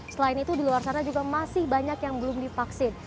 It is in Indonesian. selain itu di luar sana juga masih banyak yang belum divaksin